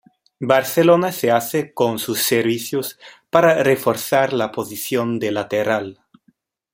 Barcelona se hace con sus servicios para reforzar la posición de lateral.